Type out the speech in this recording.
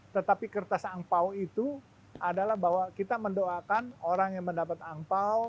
tetapi kertas angpao itu adalah bahwa kita mendoakan orang yang mendapat angpao